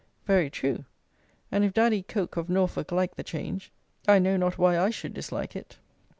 Very true, and if Daddy Coke of Norfolk like the change, I know not why I should dislike it.